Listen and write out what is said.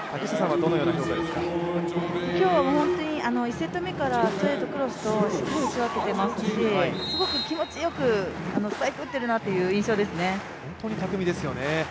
今日は１セット目からストレートとクロスと、しっかり打ち分けてますしすごく気持ちよくスパイク打っているなという印象ですね。